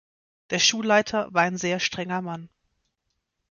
Der Schulleiter war ein sehr strenger Mann